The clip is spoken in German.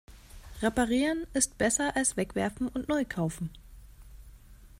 Reparieren ist besser als wegwerfen und neu kaufen.